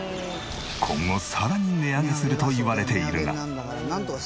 今後さらに値上げするといわれているが。